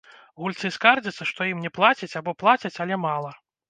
Гульцы скардзяцца, што ім не плацяць або плацяць, але мала.